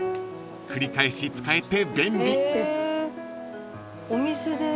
［繰り返し使えて便利］